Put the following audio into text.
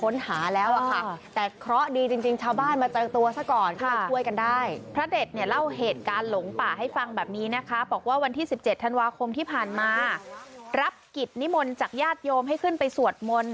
นิมนต์จากญาติโยมให้ขึ้นไปสวดมนต์